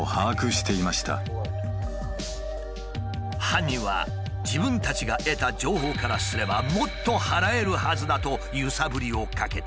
犯人は「自分たちが得た情報からすればもっと払えるはずだ」と揺さぶりをかけてきた。